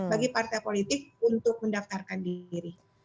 bagi partai politik untuk mendaftarkan diri